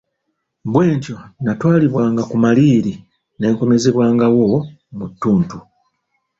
Bwentyo natwalibwanga ku maliiri ne nkomezebwangawo mu ttuntu.